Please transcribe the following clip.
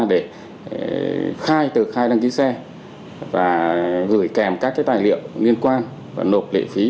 để khai tờ khai đăng ký xe và gửi kèm các tài liệu liên quan và nộp lệ phí